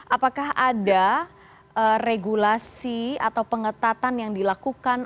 apakah ada regulasi atau pengetatan yang dilakukan